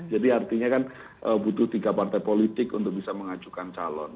jadi artinya kan butuh tiga partai politik untuk bisa mengajukan calon